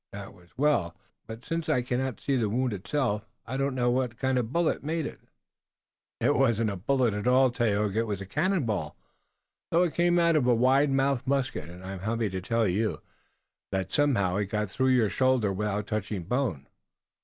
"That was well. But since I cannot see the wound itself I do not know what kind of a bullet made it." "It wasn't a bullet at all, Tayoga. It was a cannon ball, though it came out of a wide mouthed musket, and I'm happy to tell you that it somehow got through your shoulder without touching bone."